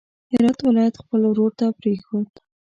هرات ولایت خپل ورور ته پرېښود.